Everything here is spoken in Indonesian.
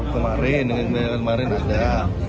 kemarin dengan jadwalnya kemarin ada